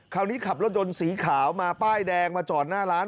ขับรถยนต์สีขาวมาป้ายแดงมาจอดหน้าร้าน